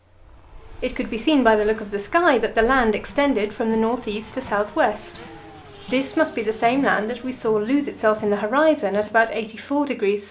It could be seen by the look of the sky that the land extended from north east to south west. This must be the same land that we saw lose itself in the horizon in about 84°S.